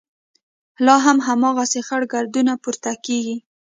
لا هم هماغسې خړ ګردونه پورته کېږي.